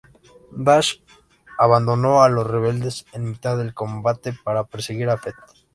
Dash abandonó a los rebeldes en mitad del combate para perseguir a Fett.